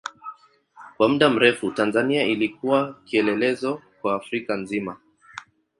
Kwa muda mrefu Tanzania ilikuwa kielelezo kwa Afrika nzima.